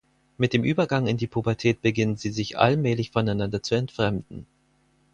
Mit dem Übergang in die Pubertät beginnen sie sich allmählich voneinander zu entfremden.